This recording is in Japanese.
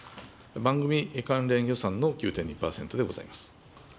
番組関連予算の９．２％でございます。